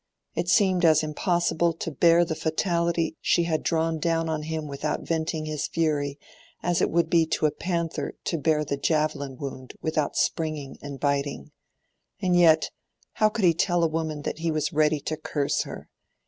It seemed as impossible to bear the fatality she had drawn down on him without venting his fury as it would be to a panther to bear the javelin wound without springing and biting. And yet—how could he tell a woman that he was ready to curse her?